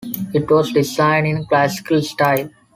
It was designed in the Classical style.